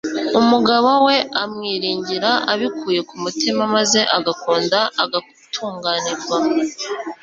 umugabo we amwiringira abikuye ku mutima, maze agakunda agatunganirwa